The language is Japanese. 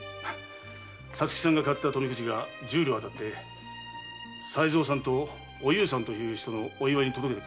皐月さんが買った富くじが十両当たって才蔵さんとおゆうさんという人のお祝いに届けてくれと。